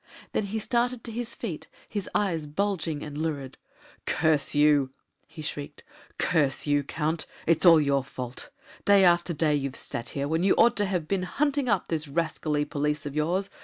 Then he started to his feet, his eyes bulging and lurid. "Curse you!" he shrieked; "curse you, Count! it's all your fault! Day after day you've sat here, when you ought to have been hunting up these rascally police of yours.